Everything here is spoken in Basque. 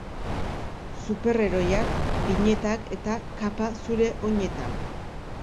Superheroiak, binetak eta kapa zure oinetan.